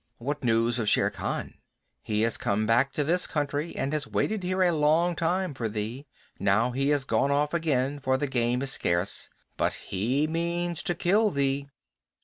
What news of Shere Khan?" "He has come back to this country, and has waited here a long time for thee. Now he has gone off again, for the game is scarce. But he means to kill thee."